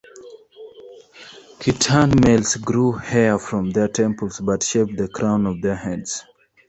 Khitan males grew hair from their temples but shaved the crown of their heads.